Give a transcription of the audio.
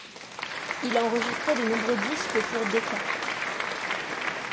Il a enregistré de nombreux disques pour Decca.